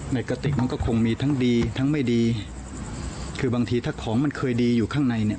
กระติกมันก็คงมีทั้งดีทั้งไม่ดีคือบางทีถ้าของมันเคยดีอยู่ข้างในเนี่ย